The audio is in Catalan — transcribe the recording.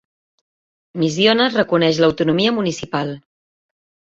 Misiones reconeix l'autonomia municipal.